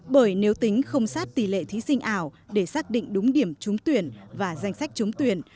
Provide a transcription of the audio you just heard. bởi nếu tính không sát tỷ lệ thí sinh ảo để xác định đúng điểm trúng tuyển và danh sách trúng tuyển